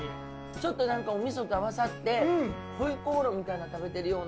ちょっとお味噌と合わさって回鍋肉みたいなの食べてるような。